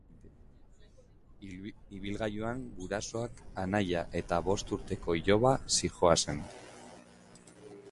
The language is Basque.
Ibilgailuan gurasoak, anaia eta bost urteko iloba zihoazen.